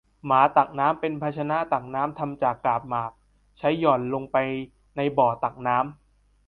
หมาตักน้ำ เป็นภาชนะตักน้ำทำจากกาบหมาก ใช้หย่อนลงไปในบ่อตักน้ำ